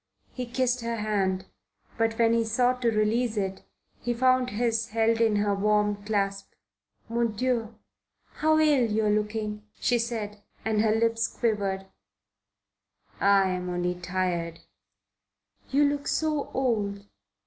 He kissed her hand, but when he sought to release it he found his held in her warm clasp. "Mon Dieu! How ill you are looking!" she said, and her lips quivered. "I'm only tired." "You look so old.